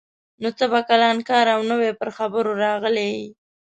نو ته به کلنکار او نوی پر خبرو راغلی یې.